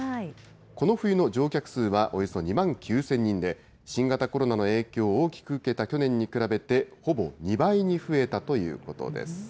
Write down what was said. この冬の乗客数はおよそ２万９０００人で、新型コロナの影響を大きく受けた去年に比べて、ほぼ２倍に増えたということです。